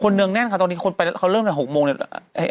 คนเนื้อแน่นค่ะตอนนี้เริ่มสักหกโมงเนี้ย